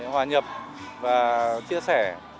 hòa nhập và chia sẻ